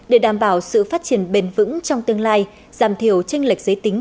để đảm bảo sự phát triển bền vững trong tương lai giảm thiểu tranh lệch giới tính